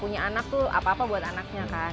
punya anak tuh apa apa buat anaknya kan